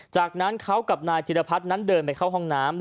จากนั้นเขากับนายธิรพัฒน์นั้นเดินไปเข้าห้องน้ำ